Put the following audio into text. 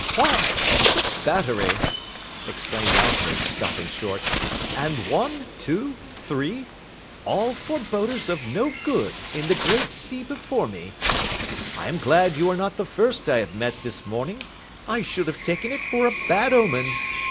'Why, what a battery!' exclaimed Alfred, stopping short, 'and one—two—three—all foreboders of no good, in the great sea before me. I am glad you are not the first I have met this morning: I should have taken it for a bad omen.